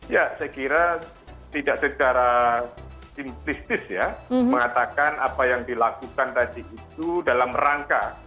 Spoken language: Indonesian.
ya saya kira tidak secara simplistis ya mengatakan apa yang dilakukan tadi itu dalam rangka